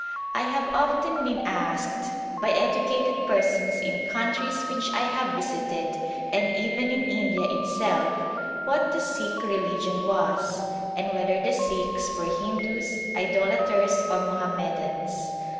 I have often been asked by educated persons in countries which I have visited, and even in India itself, what the Sikh religion was, and whether the Sikhs were Hindus, idolaters or Muhammadans.